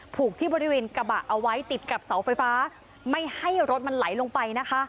ผูกที่บริเวณกระบะเอาไว้ติดกับเสาไฟฟ้าไม่ให้รถมันไหลลงไปนะคะ